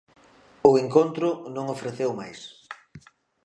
O encontro non ofreceu máis.